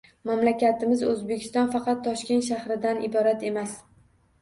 Mamlakatimiz – O‘zbekiston – faqat Toshkent shahridan iborat emas.